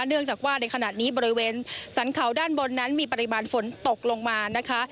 เนื่องจากว่าในขณะนี้บริเวณสรรเขาด้านบนนั้นมีปริมาณฝนตกลงมานะคะ